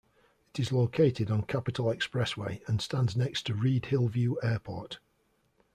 It is located on Capitol Expressway and stands next to Reid-Hillview Airport.